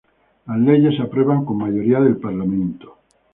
Las leyes se aprueban con mayoría del Parlamento.